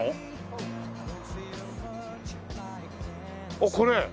あっこれ？